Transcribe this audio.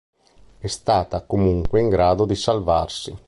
È stata comunque in grado di salvarsi.